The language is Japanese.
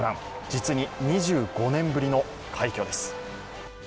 実に２５年ぶりの快挙です。